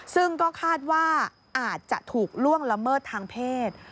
ซึ่งก็คาดว่าอาจจะถูกล่วงละเมิดทางเพศ